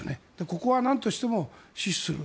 ここはなんとしても死守する。